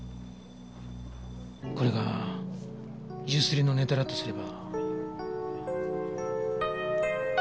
これが強請りのネタだとすれば。